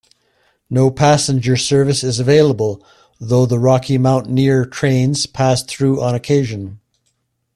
No passenger service is available, though the Rocky Mountaineer trains pass through on occasion.